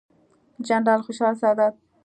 جنرال خوشحال سادات،